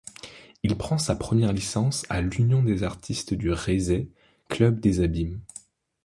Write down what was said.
Il prend sa première licence à l'Union des artistes du Raizet, club des Abymes.